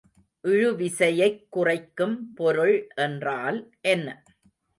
இழுவிசையைக் குறைக்கும் பொருள் என்றால் என்ன?